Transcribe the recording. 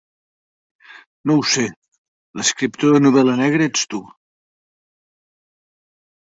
No ho sé, l'escriptor de novel·la negra ets tu.